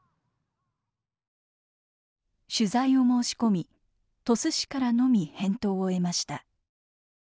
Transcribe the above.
取材を申し込み鳥栖市からのみ返答を得ました。